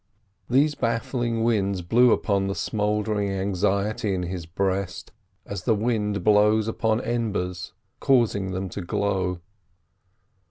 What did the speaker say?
These baffling winds blew upon the smouldering anxiety in his breast, as wind blows upon embers, causing them to glow.